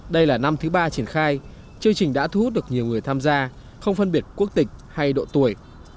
đây là năm thứ ba triển khai chương trình đã thu hút được nhiều người tham gia không phân biệt quốc tịch hay độ tuổi